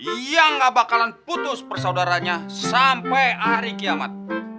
yang gak bakalan putus persaudaranya sampai hari kiamat